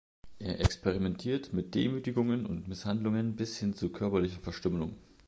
Er experimentiert mit Demütigungen und Misshandlungen bis hin zu körperlicher Verstümmelung.